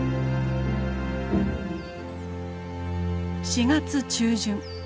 ４月中旬。